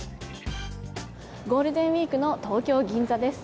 ゴールデンウイークの東京・銀座です。